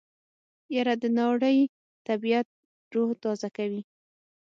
يره د ناړۍ طبعيت روح تازه کوي.